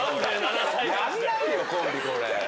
やんないよコンビこれ。